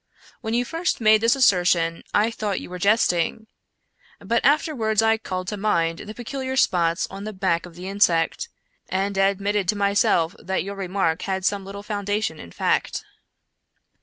When you first made this assertion I thought you were jesting; but afterwards I called to mind the peculiar spots on the back of the insect, and admitted to myself that your remark had some little foundation in fact.